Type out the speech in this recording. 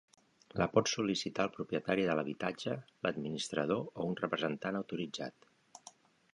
La pot sol·licitar el propietari de l'habitatge, l'administrador o un representant autoritzat.